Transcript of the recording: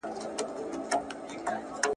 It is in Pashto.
که ځوانان ويښ سي تر نورو به ښه پرمختګ وکړي.